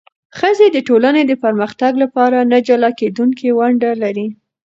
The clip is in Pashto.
ښځې د ټولنې د پرمختګ لپاره نه جلا کېدونکې ونډه لري.